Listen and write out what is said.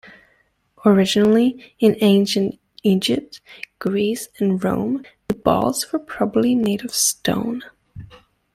Originally, in ancient Egypt, Greece, and Rome, the balls were probably made of stone.